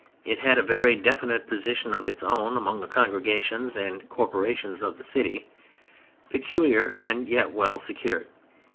It had a very definite position of its own among the congregations and corporations of the city, peculiar, and yet well secured.